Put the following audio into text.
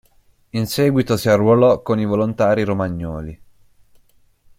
In seguito si arruolò con i volontari romagnoli.